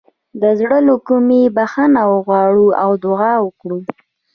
د زړه له کومې بخښنه وغواړو او دعا وکړو.